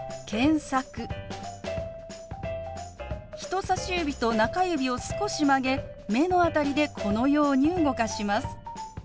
人さし指と中指を少し曲げ目の辺りでこのように動かします。